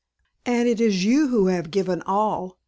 And it is you who have given all.